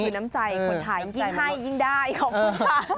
คือน้ำใจคนไทยยิ่งให้ยิ่งได้ขอบคุณค่ะ